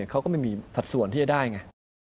เขาก็ไม่มีสัดส่วนที่จะได้ไง